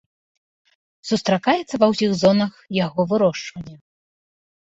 Сустракаецца ва ўсіх зонах яго вырошчвання.